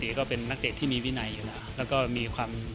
ตี๊ก็เป็นนักเตรียมที่มีวินัยอยู่นะครับ